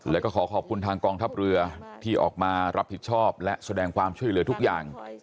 แล้วก็ขอขอบคุณทางกองทัพเรือที่ออกมารับผิดชอบและแสดงความช่วยเหลือทุกอย่าง